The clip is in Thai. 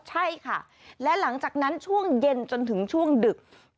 ใช่ค่ะและหลังจากนั้นช่วงเย็นจนถึงช่วงดึก